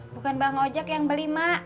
bukan bang ojak yang beli mak